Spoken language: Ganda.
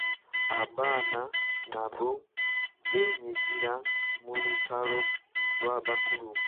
Abaana nabo beenyigira mu lutalo lw'abakulu.